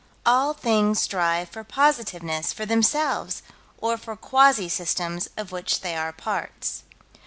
All things strive for positiveness, for themselves, or for quasi systems of which they are parts.